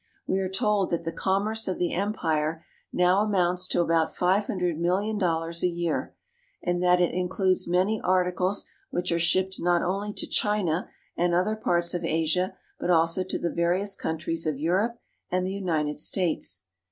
We are told that the commerce of the empire now amounts to about five hundred million dollars a year, and that it includes many articles which are shipped not only to China and other parts of Asia, but also to the various countries of Europe and the United States.